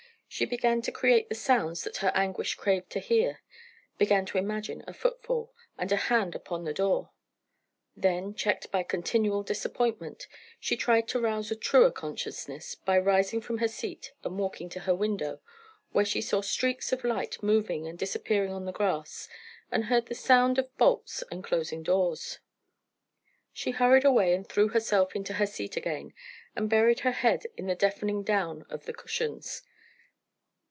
She began to create the sounds that her anguish craved to hear began to imagine a footfall, and a hand upon the door. Then, checked by continual disappointment, she tried to rouse a truer consciousness by rising from her seat and walking to her window, where she saw streaks of light moving and disappearing on the grass, and heard the sound of bolts and closing doors. She hurried away and threw herself into her seat again, and buried her head in the deafening down of the cushions.